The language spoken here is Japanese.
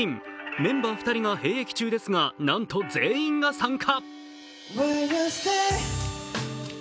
メンバー２人が兵役中ですがなんと全員が参加。